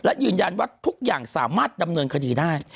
และยืนยันว่าทุกอย่างสามารถดำเนินคดีได้